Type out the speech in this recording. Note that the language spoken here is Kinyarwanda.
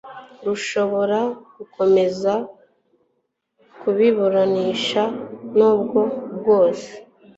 rushobora gukomeza kukiburanisha n ubwo bwose